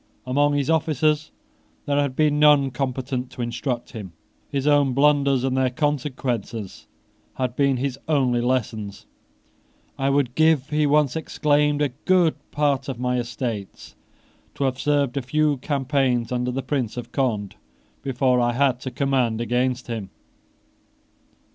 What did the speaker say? Among his officers there had been none competent to instruct him. His own blunders and their consequences had been his only lessons. "I would give," he once exclaimed, "a good part of my estates to have served a few campaigns under the Prince of Conde before I had to command against him."